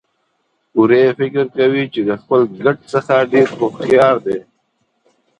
وری فکر کوي چې د خپل ګډ څخه ډېر هوښيار دی.